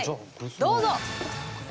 どうぞ。